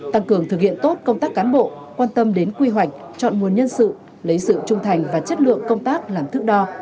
tăng cường thực hiện tốt công tác cán bộ quan tâm đến quy hoạch chọn nguồn nhân sự lấy sự trung thành và chất lượng công tác làm thức đo